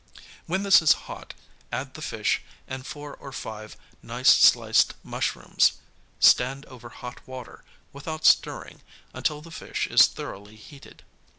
When this is hot add the fish and four or five nice sliced mushrooms; stand over hot water, without stirring, until the fish is thoroughly heated.